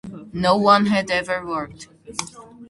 Not one had ever worked.